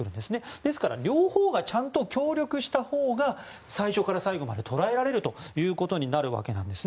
ですから両方がちゃんと協力したほうが最初から最後まで捉えられることになるわけですね。